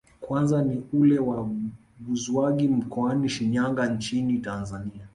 Kwanza ni ule wa Buzwagi mkoani Shinyanga nchini Tanzania